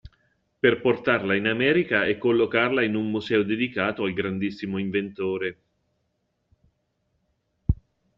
Per portarla in America e collocarla in un museo dedicato al grandissimo inventore…